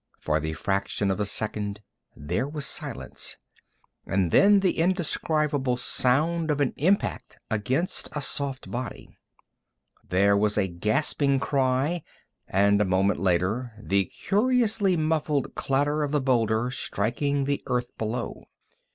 For the fraction of a second there was silence, and then the indescribable sound of an impact against a soft body. There was a gasping cry, and a moment later the curiously muffled clatter of the boulder striking the earth below.